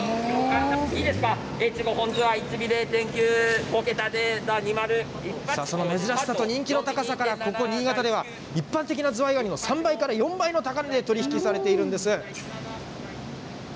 いいですか、その珍しさと人気の高さから、ここ新潟では、一般的なズワイガニの３倍から４倍の高値で取り引きされているんです。